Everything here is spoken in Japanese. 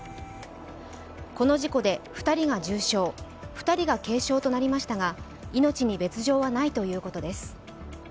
この事故で２人が重傷、２人が軽傷となりましたが命に別状はないということです。